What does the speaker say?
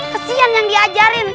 kesian yang diajarin